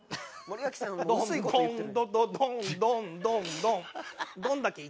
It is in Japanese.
「どんどんどどどんどんどんどん」